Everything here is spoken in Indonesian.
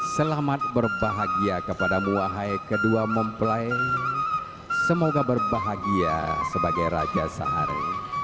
selamat berbahagia kepadamu wahai kedua mempelai semoga berbahagia sebagai raja sehari